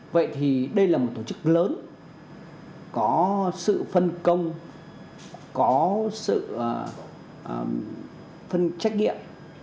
vậy thì đây là một tổ chức lớn có sự phân công có sự phân trách nhiệm